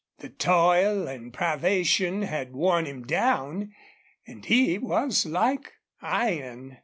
The toil and privation had worn him down and he was like iron.